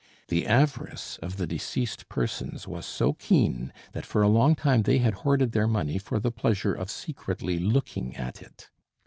The avarice of the deceased persons was so keen that for a long time they had hoarded their money for the pleasure of secretly looking at it.